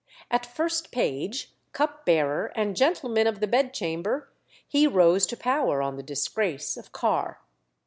At first page, cupbearer, and gentleman of the bedchamber, he rose to power on the disgrace of Carr.